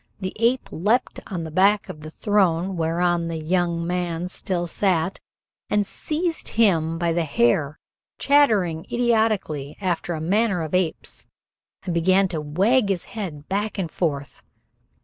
The ape leaped on the back of the throne whereon the young man still sat, and seized him by the hair, chattering idiotically after the manner of apes, and began to wag his head back and forth.